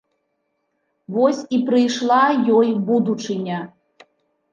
Вось і прыйшла ёй будучыня!